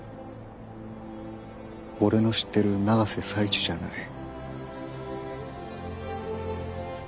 俺の知ってる永瀬財地じゃない。